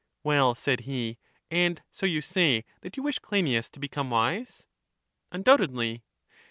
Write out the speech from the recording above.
Well, said he, and so you say that you wish Cleinias to become wise? Undoubtedly.